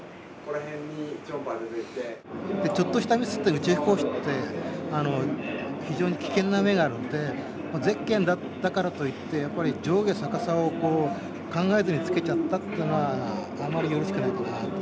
ちょっとしたミスっていうのは宇宙飛行士って非常に危険な目があるのでゼッケンだからといって上下逆さを考えずにつけちゃったのはあまりよろしくないかなと。